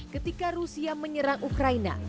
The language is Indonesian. ketika rusia menyerang ukraina